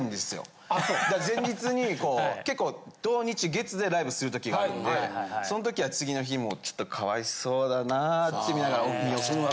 前日にこう結構土・日・月でライブする時があるんでそん時は次の日「ちょっと可哀想だな」って見ながら見送って。